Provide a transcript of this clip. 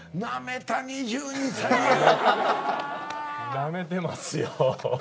なめてますよ。